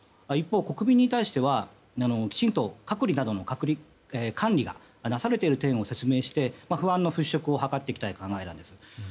一方、国民に対してはきちんと隔離などの管理がなされている点を説明して、不安の払しょくを図りたい考えです。